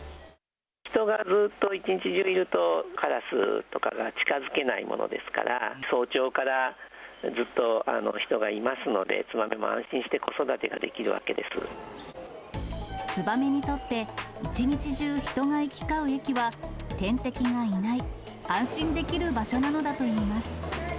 人がずっと一日中いると、カラスとかが近づけないものですから、早朝からずっと人がいますので、ツバメも安心して子育てができるツバメにとって、一日中人が行き交う駅は、天敵がいない、安心できる場所なのだといいます。